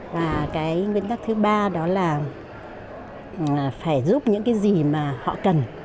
và cái nguyên tắc thứ ba đó là phải giúp những cái gì mà họ cần